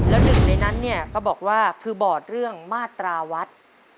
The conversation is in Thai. แล้ว๑ในนั้นพอบอกว่าคือบอร์ดเรื่องมาตราวัด